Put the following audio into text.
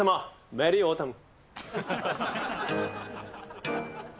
メリーオータム！